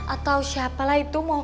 atau siapalah itu